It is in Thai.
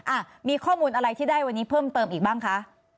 อ่ะมีข้อมูลอะไรที่ได้วันนี้เพิ่มเติมอีกบ้างคะ